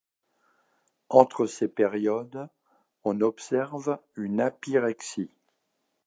Entre ces périodes, on observe une apyrexie.